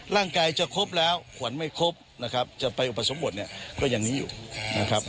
ร่างกายจะครบแล้วขวัญไม่ครบนะครับจะไปอุปสมบทเนี่ยก็ยังนี้อยู่นะครับ